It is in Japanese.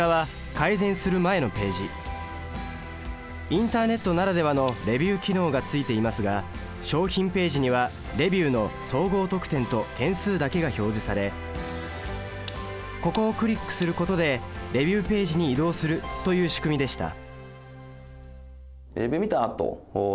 インターネットならではのレビュー機能がついていますが商品ページにはレビューの総合得点と件数だけが表示されここをクリックすることでレビューページに移動するという仕組みでした。